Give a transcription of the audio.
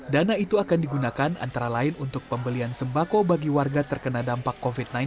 dana itu akan digunakan antara lain untuk pembelian sembako bagi warga terkena dampak covid sembilan belas